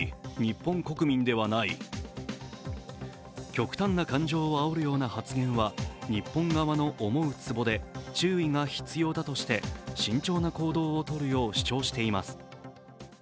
極端な感情をあおるような発言は日本側の思うつぼで注意が必要だとして、慎重な行動を取るよう主張しています。